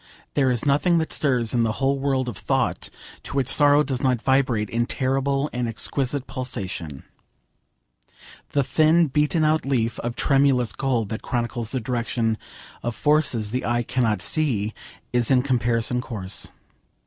There is nothing that stirs in the whole world of thought to which sorrow does not vibrate in terrible and exquisite pulsation. The thin beaten out leaf of tremulous gold that chronicles the direction of forces the eye cannot see is in comparison coarse.